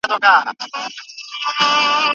ایا تاسو د چاکلېټ سره مډیګا تجربه کړې ده؟